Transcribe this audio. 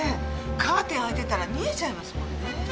カーテン開いてたら見えちゃいますもんね。